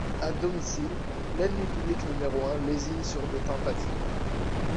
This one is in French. À domicile, l'ennemi public numéro un lésine sur des tentatives.